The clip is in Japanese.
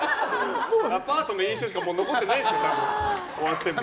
アパートの印象しかもう残ってないよ、終わっても。